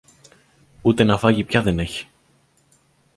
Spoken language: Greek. Ούτε να φάγει πια δεν έχει.